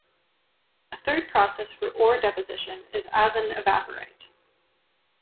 A third process for ore deposition is as an evaporite.